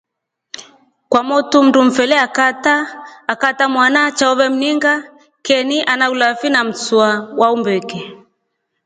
Kwamotu mndumfele akaatra mwana chao vemningia ken ana ulavi na mswa wa umbeke.